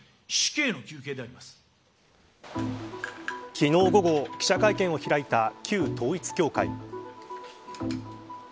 昨日午後、記者会見を開いた旧統一教会。